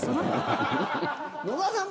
野沢さん